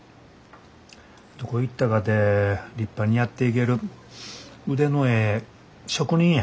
どこ行ったかて立派にやっていける腕のええ職人や。